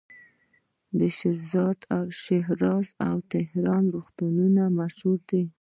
د شیراز او تهران روغتونونه مشهور دي.